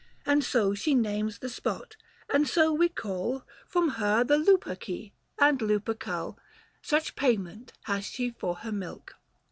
435 And so she names the spot ; and so we call From her the Luperci, and Lupercal : Such payment hath she for her milk.